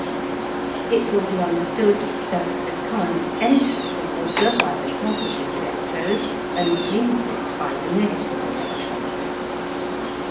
It will be understood that the current enters the water by the positive electrode, and leaves it by the negative electrode.